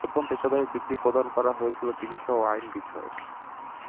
প্রথম পেশাদারী ডিগ্রি প্রদান করা হয়েছিল চিকিৎসা ও আইন বিষয়ে।